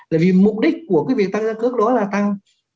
là vì mục đích của cái việc tăng giá cước đó là tăng